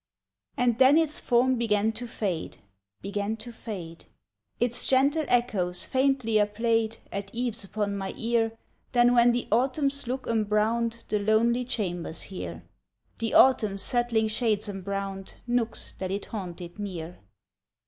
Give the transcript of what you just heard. And then its form began to fade, Began to fade, Its gentle echoes faintlier played At eves upon my ear Than when the autumn's look embrowned The lonely chambers here, The autumn's settling shades embrowned Nooks that it haunted near.